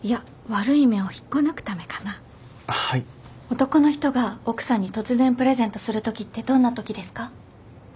男の人が奥さんに突然プレゼントするときってどんなときですか？